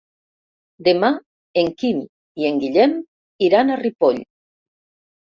Demà en Quim i en Guillem iran a Ripoll.